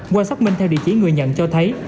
qua xác minh theo địa chỉ người nhận cho thấy